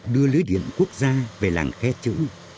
đưa lưới điện quốc gia về làng khe chữ